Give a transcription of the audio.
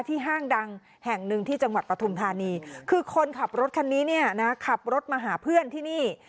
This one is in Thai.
ห้างดังแห่งหนึ่งที่จังหวัดปฐุมธานีคือคนขับรถคันนี้เนี่ยนะขับรถมาหาเพื่อนที่นี่